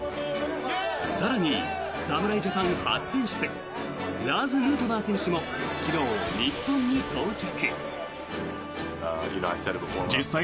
更に、侍ジャパン初選出ラーズ・ヌートバー選手も昨日、日本に到着。